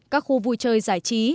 các khu vui chơi giải trí